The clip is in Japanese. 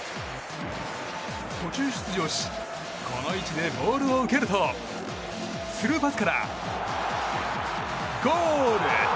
途中出場し、この位置でボールを受けるとスルーパスからゴール！